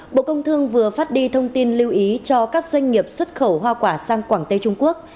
bộ công thương vừa phát đi thông tin lưu ý cho các doanh nghiệp xuất khẩu hoa quả sang quảng tây trung quốc